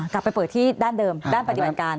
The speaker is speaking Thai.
กลับไปเปิดที่ด้านเดิมด้านปฏิบัติการ